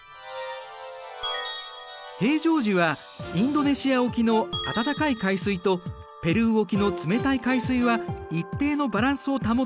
平常時はインドネシア沖の温かい海水とペルー沖の冷たい海水は一定のバランスを保っている。